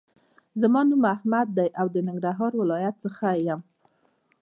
زما نوم احمد دې او ننګرهار ولایت څخه یم